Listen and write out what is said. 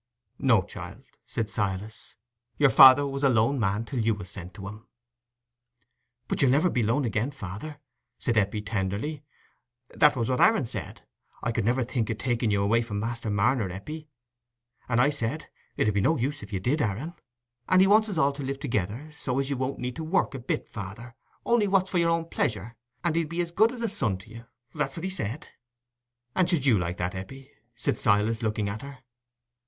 "No, child," said Silas, "your father was a lone man till you was sent to him." "But you'll never be lone again, father," said Eppie, tenderly. "That was what Aaron said—"I could never think o' taking you away from Master Marner, Eppie." And I said, "It 'ud be no use if you did, Aaron." And he wants us all to live together, so as you needn't work a bit, father, only what's for your own pleasure; and he'd be as good as a son to you—that was what he said." "And should you like that, Eppie?" said Silas, looking at her.